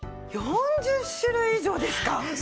４０種類以上ですか！